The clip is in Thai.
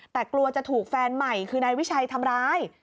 แต่กลัวจะถูกแฟนใหม่คือนายวิชัยทำร้าย